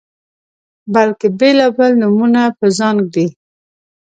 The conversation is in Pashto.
بلکې بیلابیل نومونه په ځان ږدي